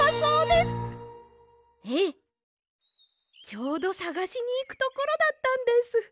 ちょうどさがしにいくところだったんです！